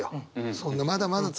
そんなまだまだ続く。